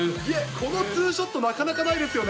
このツーショットなかなかないですよね。